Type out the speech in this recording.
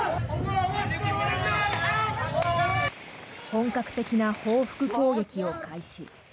本格的な報復攻撃を開始。